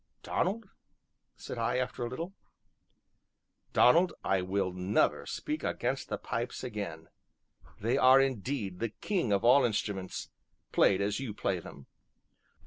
"Donald," said I, after a little, "Donald, I will never speak against the pipes again; they are indeed the king of all instruments played as you play them."